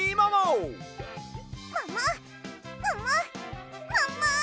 もももももも！